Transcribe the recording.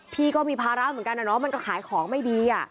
พี่ก็มีภาระเหมือนกันนะเนาะมันก็ขายของไม่ดี